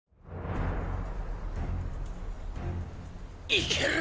いける！